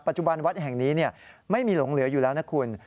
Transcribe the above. ปัจจุบันวัดแห่งนี้ไม่มีหลงเหลืออยู่แล้วนะคุณ